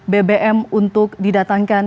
bbm untuk didatangkan